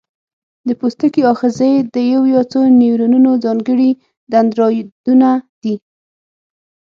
د پوستکي آخذې د یو یا څو نیورونونو ځانګړي دندرایدونه دي.